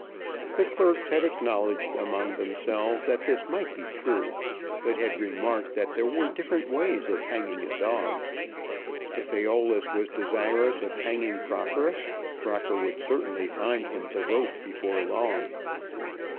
The clerks had acknowledged among themselves that this might be true, but had remarked that there were different ways of hanging a dog. If Æolus was desirous of hanging Crocker, Crocker would certainly find him the rope before long.